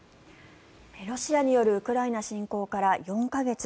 ロシアによるウクライナ侵攻から４か月。